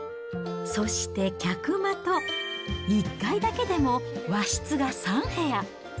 そして客間と、１階だけでも和室が３部屋。